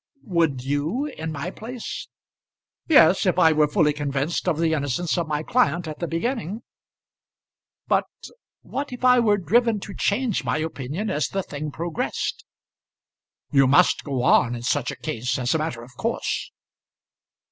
"Would you; in my place?" "Yes; if I were fully convinced of the innocence of my client at the beginning." "But what if I were driven to change my opinion as the thing progressed?" "You must go on, in such a case, as a matter of course."